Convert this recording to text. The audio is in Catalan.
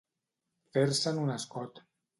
Fer-se'n un escot.